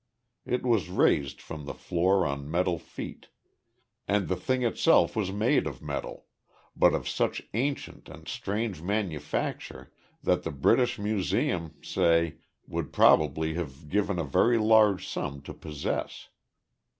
It was raised from the floor on metal feet, and the thing itself was made of metal, but of such ancient and strange manufacture that the British Museum, say, would probably have given a very large sum to possess.